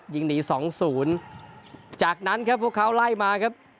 ยิงหนีสองศูนย์จากนั้นครับพวกเขาไล่มาครับ